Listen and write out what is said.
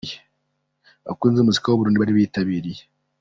Abakunzi b'umuziki w'u Burundi bari bitabiriye.